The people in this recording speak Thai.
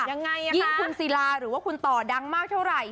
ยิ่งคุณซีลาหรือว่าคุณต่อดังมากเท่าไหร่